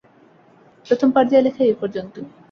প্রথম পর্যায়ের লেখা এই পর্যন্তই।